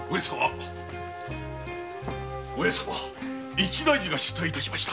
上様一大事が出来致しました。